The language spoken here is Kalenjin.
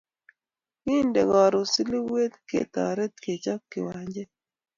Kiendi karun Silibwet ketaret Kechap kiwanjet